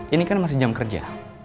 ini kan masih jam kerja